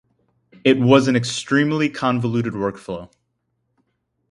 It was an extremely convoluted workflow.